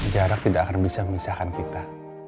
jarak tidak akan bisa memisahkan kita